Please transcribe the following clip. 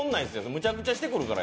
めちゃくちゃしてくるから。